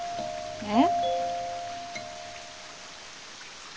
えっ。